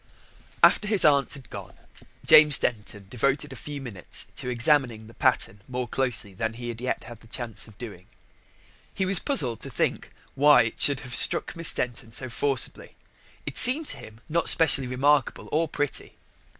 After his aunt had gone James Denton devoted a few minutes to examining the pattern more closely than he had yet had a chance of doing. He was puzzled to think why it should have struck Miss Denton so forcibly. It seemed to him not specially remarkable or pretty.